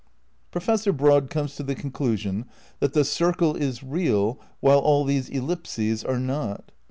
Professor Broad comes to the conclusion that the circle is real while all these ellipses are not.